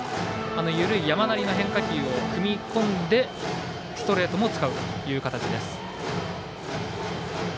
緩い山なりな変化球を組み込んでストレートも使うという形です。